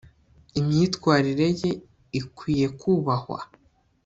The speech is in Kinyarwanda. imyitwarire ye ikwiye kubahwa